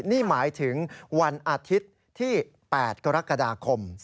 นี่หมายถึงวันอาทิตย์ที่๘กรกฎาคม